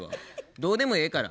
どうでもええから。